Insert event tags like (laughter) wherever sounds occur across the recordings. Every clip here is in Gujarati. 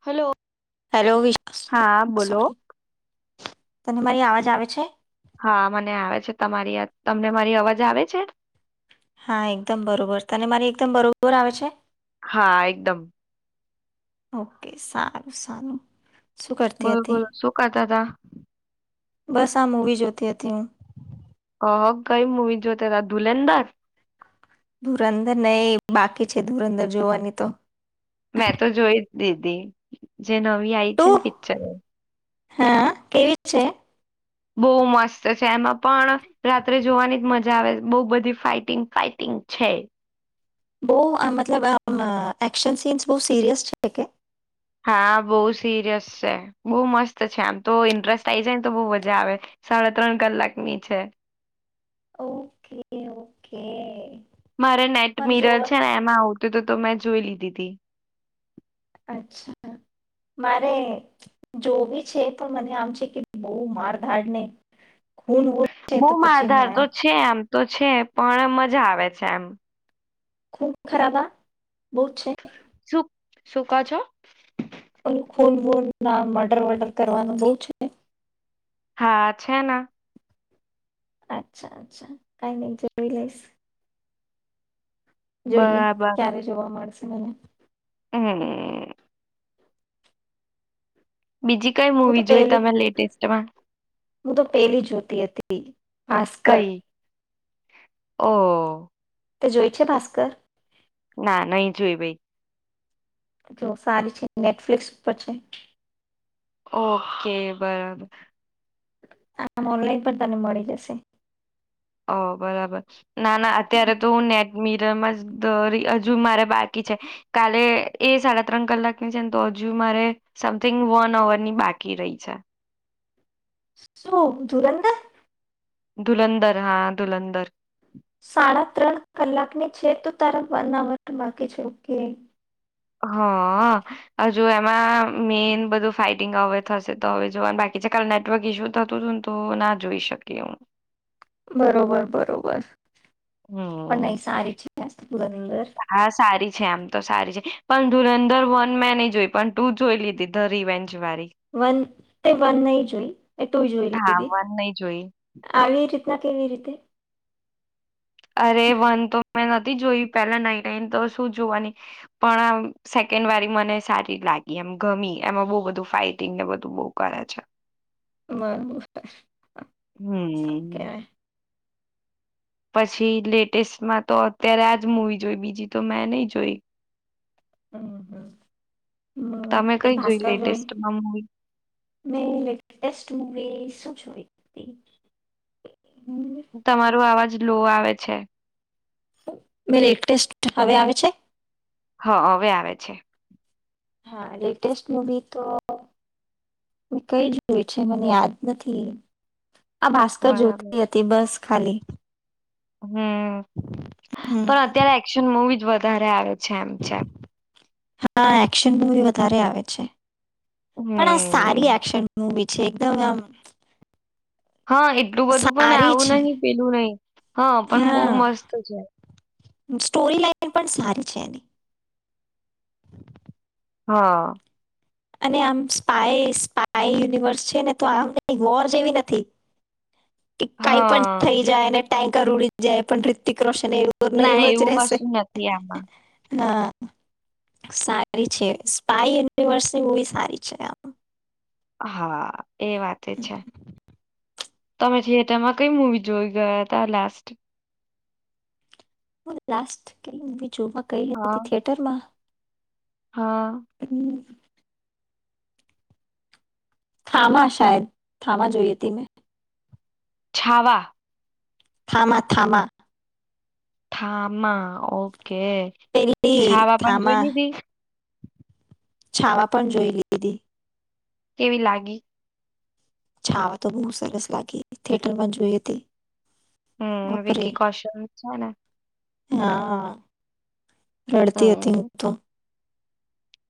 હલો. હેલો વિશ હા બોલો. તને મારી અવાજ આવે છે? હા મને આવે છે તમારી તમને મારી અવાજ આવે છે? હા એકદમ બરોબર તને મારી એકદમ બરોબર આવે છે? હા એકદમ. ઓકે સારું સારું. શું કરતી બોલો હતી બોલો શું કરતા તા. બસ આ મૂવી જોતી હતી હું. હક કઈ મુવી જોતી ત્યારે ધુલેદર. ધુરંધર નહી બાકી છે ધુરંદર જોવાની તો. મેં તો જોઈ. દીદી. જે નવી આય ટુ છે પિક્ચર. હા કેવી છે? બહુ મસ્ત છે એમાં પણ, રાત્રે જોવાની જ મજા આવે બહુ બધી ફાાઈટિંગ ફાઈટિંગ છે. બહુ મતલબ આમ એક્શન સીન્સ બહુ સિરિયસ છે કે? હા બહુ સિરિયસ છે, બહુ મસ્ત છે આમ તો ઇન્ટરેસ્ટ આવી જાય ને તો બહુ મજા આવે, સાડા ત્રણ કલાકની છે. Okay okay. મારે નેટ મારે મિરલ જોવા છે ને એમાં આવતું હતું. તો મેં જોઈ લીધી હતી. અચ્છા, મારે જોવી છે પણ મને આમ છે કે બહુ મારધાડ ને. ખૂન વૂન છે તો બહમાં પછી આધાર મેં તો છે આમ તો છે. પણ મજા આવે છે એમ. ખૂબ ખરાબા? બહુ છે. સુકા છો? ખોલ બોલ નામ મર્ડર વર્ડર કરવાનું જોય છે. હા છે ને. અચ્છા અચ્છા કઈ નહી જોય લયસ. જોઈએ ક્યારે જોવા મળશે. હમમ હમમ બીજી કઈ હું તો મુવી જોઈ પેલી તમે લેટેસ્ટમાં તી ભાસ્કર. કઈ? ઓ તે જોઈ છે ભાસ્કર? ના નહી જોય ભઈ. જો સારી છે નેટફ્લિક્સ ઉપર છે. ઓકે બરાબર. આ ઓનલાઈન પણ તને મળી જશે. ઓ બરાબર ના ના અત્યારે તો હું નેટ મીરમ જરી હજુ મારે બાકી છે કાલે એ સાડા ત્રણ કલાકની છે ને તો હજુ મારે સમથિંગ વન અવર ની બાકી રહી છે. શું ધુરંધર? ધુલંધર હા ધુલંધર. સાડા ત્રણ કલાકની છે. તો તારુ વન અવર ની બાકી છે ઓકે. હા અ હજુ એમાં મેન બધું ફાઈટિંગ હવે થશે તો હવે જોવાનું બાકી છે. કાલે નેટવર્ક ઈસ્યુ થતું હતું ને તો ના જોઈ શકી હું. બરોબર બરોબર. પણ હમમ નહીં સારી છે ધુરંધર હા સારી છે આમ. તો સારી છે. પણ ધુરંધર વન મેનેજ એ પણ તું જોઈ લીધી ધ રીવેન વન એ વન નય જોયી. એ તો જોઈ હા લીધી વન નહી જોઈ આવી રીતે ના કેવી રીતે? અરે વન તો મેં નથી જોય પેલા નઈ ટઈને તો શું જોવાની પણ આ સેકન્ડ વાડી મને સારી લાગી એમ ગમી એમાં બો બધું ફાઈટિંગ ને બધું બો કરે છે. બરોબર હ અ હમ કેવાય. પછી લેટેસ્ટમાં તો અત્યારે આજ મુવી જોઈ બીજી તો મેં નહી જોઈ. હમમ હમમ હમમ તમે તે કઈ ભાસ્કર જોઈ. લેટેસ્ટમાં મુવી મેં લેટેસ્ટ મૂવી શું જો (inaudible) તમારું આવાજ લો આવે છે. મે લેટેસ્ટ હવે આવે છે. હા હવે આવે છે. હા લેટેસ્ટ મવી તો કઈ જ જોય છે મને યાદ નથી. આ ભાસ્કર બરાબર જોતી હતી બસ ખાલી હમ હમ પણ અત્યારે એક્શન મુવી વધારે આવે છે એમ છે હા એક્શન મવી વધારે આવે અ્ છે પણ આ સારી હમ એક્શન મૂવી છે એકદમ આમ હા એટલું બધું પણ સારી આવું છે નહી પેલું નહી હા પણ બહ મસ્ત છે સ્ટોરી લાઈન પણ સારી છે એની હા. અને આમ સ્પાય સ્પાય યુનિવર્સ છે ને તો આમ વોર જેવી નથી. કે કઈ પણ હા થઈ જાયને. ટટેંકર ઉડી જાય પણ રિતતિક્ર રોશ ના એવું કશું નથી આમાં. હા. સારી છે સ્પાય. તે વર્ષ એ મુવી સારી છેઆમાં. હા. એ વાતે છે. તમે થિયેટરમાં કઈ મુવી જોઈ ગયા હતા લાસ્ટ. (unintelligible) જોમાં કઈ હા હતી થિયેટર માં. હા. હમ. થામા શાયદ થામા જોઈ હતી મેં. છાવા. થામા થામા. થામાં ઓ. કે પેલી છાવા પણ જોઈ થામા લીધી. છાવા પણ જોઈ લીધી. કેવી લાગી. છાવા તો બહુ સરસ લાગી થિયેટર પણ જોઈ હતી. હમ બાપરે વિકી કૌશલ છે ને. હા. રડતી હતી ઊ હમ તો.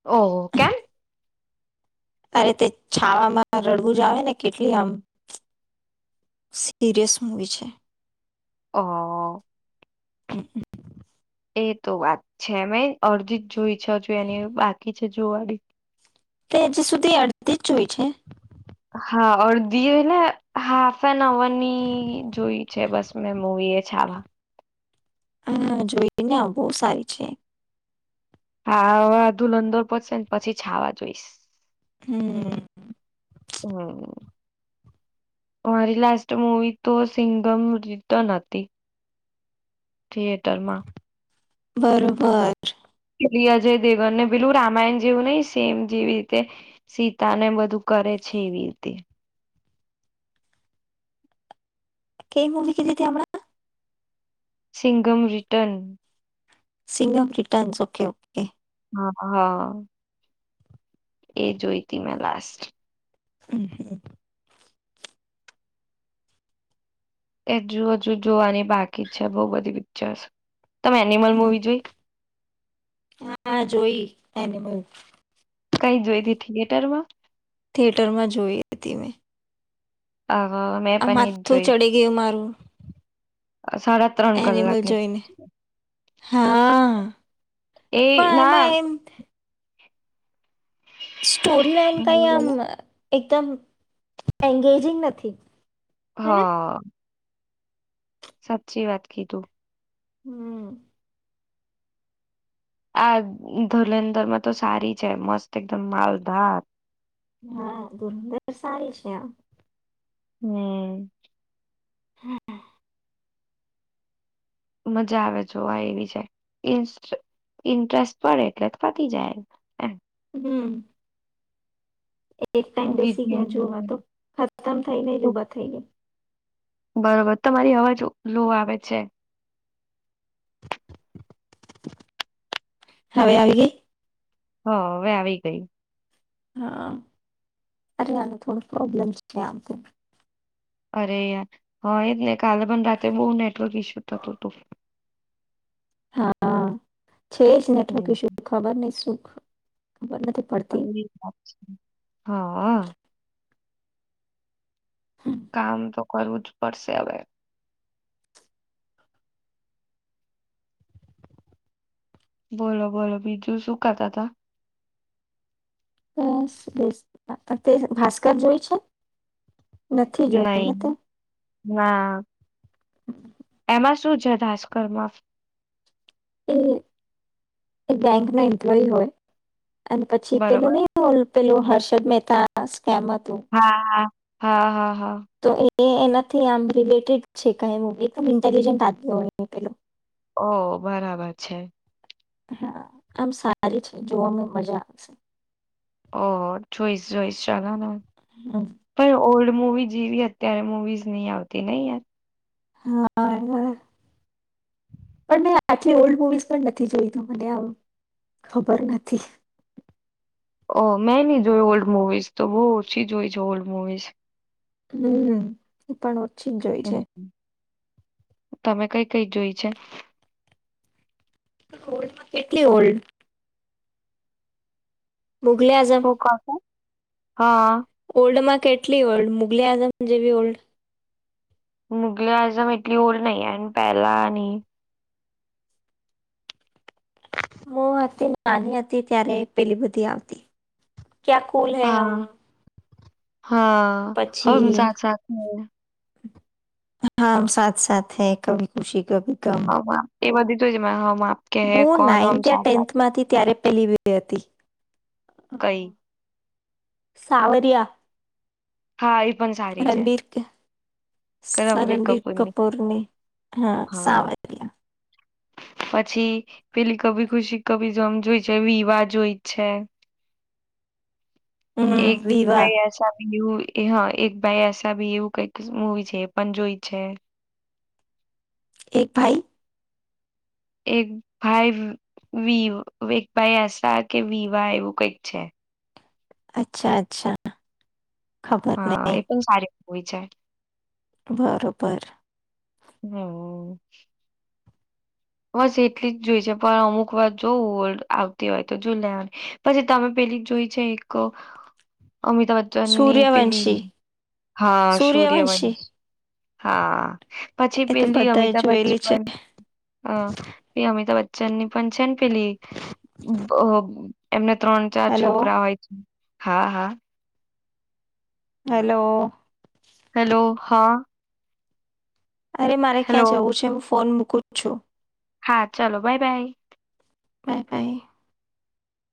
ઓહ કેમ? અરે તે છાવામાં રડવું જ આવે ને કેટલી આમ સિરિયસ મૂવી છે. ઓ. (inaudible) એ તો વાત છે મેં અર્ધિત જોય. પ જોઈ અને બાકી જોવાની. તે હજ સુધી અડધી જ જોઈ છે? હા ઓર દીયોને હાફ એન અવરની જોઈ છે બસ મેં મવી એ છાવા. હા જોય ને બહુ સારી છે. હાધુલ અંદર પશે ને પછી છાવા જોઈશ. હમ હમ. મારી લાસ્ટ મૂવી તો સિંગમ રિટર્ન હતી. થિયેટર માં. બરોબર. લી અજય દેવન ને પેલું રામાયણ જેવું નહિ સેમ જેવી, રીતે સીતા ને બધું કરે છે એવી રીતે. કઈ મુવી કીધ હતી આપણા? Singham return. Singham returns okay okay. હા હા. એ જૈતીમ લાસ્ટ. હમ હ. હજુ હજુ જોવાની બાકી છે બહુ બધી પિક્ચર્સ. તમે એનિમલ મુવી જોઈ? હા જોઈ એનિમલ. કઈ જોઈ હતી થિયેટરમાં? થિયેટરમાં જોઈ હતી મેં. અ મેં આ પણ એજ માથું જોઈ ચડી ગયું મારું. સાડા ત્રણ એનિમલ કલાકની જોઈને, હા એ પણ ના એમાં એમ સ્ટોરી લઇન કઈ બોલો આમ બોલો એકદમ એંગેજિંગ નથી. હેને હા. સાચી વાત કીધું. હમ. આ ધલંધરમાં તો સારી છે મસ્ત એકદમ માલધાર. હા ધધર સારી છે આ. હમ. હમ. મજા આવે જોવા એવી જ, ઇન્ટરેસ્ટ પડે એટલે થતી જાય એમ એમ. હમ. એક ટાઈમ બેસી બીજી ગયા જોવા તો ખતમ થઈ ને જ ઉભા થઈ ગયા. બરોબર તમારી અવાજ લો આવે છે. હવે આવી ગઈ. હ હવે આવી ગય. હા અરે આનો થોડો પ્રોબ્લેમ્ છે આમ તો. અરે યાર હા એજ ને કાલે પણ રાત્રે બહુ નેટવર્ક ઈસ્યુ થતું હતું. હા. છેસનેટો ક હમ શું ખબર નહી સુ. એ છે હા. કામ તો કરવું જ પડશે હવે. બોલો બોલો બીજું સુુંકાત હતા. બસ તે ભાસ્કર જોય છે. નથી નહી. જોઈને હા. હ એમાં શું છે ભાસ્કર માફ એ બેંક ન એમ્પ્લોય હોય અને પછી પેલો બરોબર નહી પેલો હર્ષદ મેહેતા હા હા હા હા હા તો એ એનાથી આમ રિલેટેડ છે ક એકદમ ઇન્ટેલિજન્ટ આપ હોય એ પેલો ઓ બરાબર છે. હા આમ સારી છે જોવાવામાં મજા આવશે ઓહ જોઈસ જોઈસ ચાલોન હ મવી જેવી અત્યારે મવીઝ નહી આવતી નહી યાર હા એ પણ મેં આટલી ઓલ્ડ મુવીઝ પણ નથી જોઈતું મને આ (unintelligible) નથી ઓ મેં નહ જોયું ઓલ્ડ મુવીઝ તો બહુ ઓછી જોઈ છે ઓલ્ડ મુવીઝ હમ એ પણ પણ ચિજઈ છે, હમ તમે કઈ કઈ જોઈ છે. ઓલ્ડમાં કેટલી ઓલ્ડ મુઘલે શું આઝમ કહો છો હા ઓલ્ડ માં કેટલી ઓલ્ડ મુગલી આઝમ જેવી ઓલ્ડ મુગલી આઝમ એટલી ઓલ નહી એ પહેલાની મો હતી નાની હતી ત્યારે પેલી બુધી આવતી ક્યા કૂલ હૈ હમ હા હા, હ પછી સાક સાક હા સાથ સાથ હૈ કભી ખુશી. ગમ. આપ એ બધી તો જમાં હું નાઇન્થ યા ટેન્થમાંથી ત્યારે પહેલી વ્ય બે હતી. કઈ? સાાવર્યા. હા એ પણ સારી છે રણબીર, રણવીર રણબીર કપૂરની કપૂરને હા. પછી પેલી કભી ખુશી કભી જેમ જોઈ છે વિવાહ જોઈ છે. હમ એક વિવા. ભાઈ (inaudible) એ હા એક ભાઈ આશા ભી એવું કઈક મુવી છે એ પણ જોઈ છે. એક ભાઈ એક ભાઈ એક ભાઈ આશા કે વિવા એવું કઈક છે. અચ્છા અચ્છા. ખબર હા નહી એ પણ સારી હોય છે. બરોબર. હમ વો બસ એટલી જ જોઈ છે પણ અમુક વાર જો ઓલ્ડ આવતી હોય તો જો લેવાની, પછી તમે પેલી જ જોઈ છે એક અમિતાભ બચ્ચનની પેલી, સૂર્યવંશી હા સૂર્યવંશી સૂર્યવંશ. હા. પછી એ તો પેલી બધા અમિતાભ બચ્ચન જોયેલી છે વાળી. અ પ અમિતાભ બચ્ચન ની પણ છે. પેલી એમને ત્રણ ચાર હેલો છોકરા હોય છે. હા હા. હેલો હેલો હા. અરે મારે હેલો ક્યાં જવું છે હું ફોન મુૂક. કુ છું. હા ચાલો બાય બાય. Bye by.